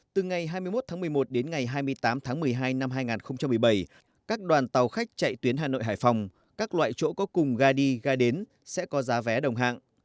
từ ngày hai mươi một tháng một mươi một đến ngày hai mươi tám tháng một mươi hai năm hai nghìn một mươi bảy các đoàn tàu khách chạy tuyến hà nội hải phòng các loại chỗ có cùng ga đi ga đến sẽ có giá vé đồng hạng